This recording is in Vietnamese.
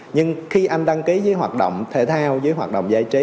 nhưng khi anh đăng ký với hoạt động thể thao dưới hoạt động giải trí